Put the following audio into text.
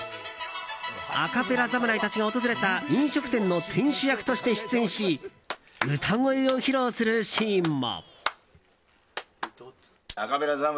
アカペラ侍たちが訪れた飲食店の店主役として出演し歌声を披露するシーンも。